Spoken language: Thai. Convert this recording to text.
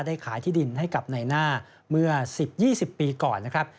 ขายที่ดินให้กับนายหน้าเมื่อ๑๐๒๐ปีก่อนนะครับ